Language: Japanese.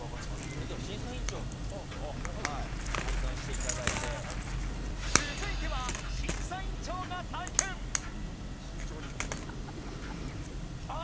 それでは審査員長もちょっと体感していただいて続いては慎重にああ！